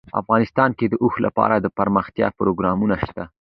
افغانستان کې د اوښ لپاره دپرمختیا پروګرامونه شته.